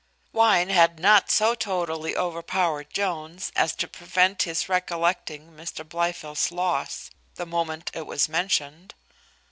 Wine had not so totally overpowered Jones, as to prevent his recollecting Mr Blifil's loss, the moment it was mentioned.